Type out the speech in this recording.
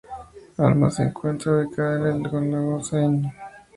Alma se encuentra ubicada al este del lago Saint-Jean.